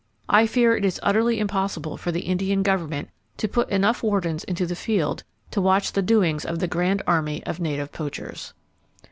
I fear it is utterly impossible for the Indian government to put enough wardens into the field to watch the doings of the grand army of native poachers.